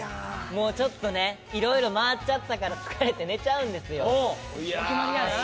もうちょっとね色々回っちゃったから疲れて寝ちゃうんですよ。